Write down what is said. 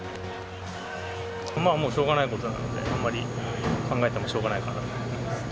もうしょうがないことなので、あまり考えてもしょうがないかなと思います。